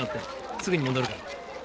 すぐに戻るから。